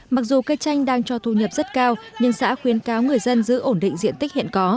mặc dù cây chanh đang cho thu nhập rất cao nhưng xã khuyến cáo người dân giữ ổn định diện tích hiện có